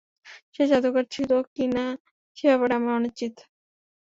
সে জাদুকর ছিল কি-না, সে ব্যাপারে তিনি অনিশ্চিত।